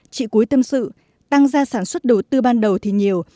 chị cuối tâm sự tăng ra sản xuất đầu tư ban đầu thì nhiều